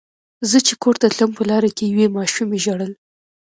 زه چې کور ته تلم په لاره کې یوې ماشومې ژړل.